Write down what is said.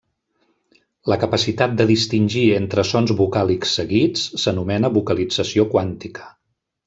La capacitat de distingir entre sons vocàlics seguits s'anomena vocalització quàntica.